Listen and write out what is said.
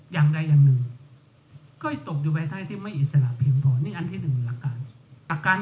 อย่างใดอย่างหนึ่งก็ให้ตกอยู่ภายใต้ที่ไม่อิสระเพียงพอนี่อันที่หนึ่งหลักการ